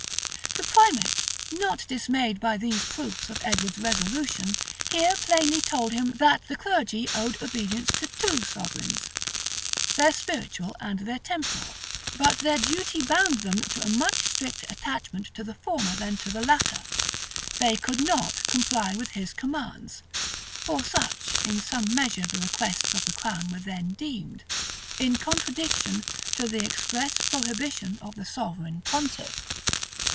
The primate, not dismayed by these proofs of Edward's resolution, here plainly told him that the clergy owed obedience to two sovereigns, their spiritual and their temporal; but their duty bound them to a much stricter attachment to the former than to the latter: they could not comply with his commands, (for such, in some measure, the requests of the crown were then deemed,) in contradiction to the express prohibition of the sovereign pontiff.